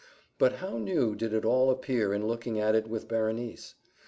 But how new did it all appear in looking at it with Berenice!